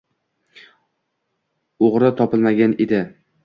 O‘g‘ri topilmagan edi